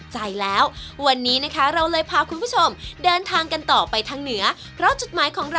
ให้ลูกเรียนจบทั้งสองคน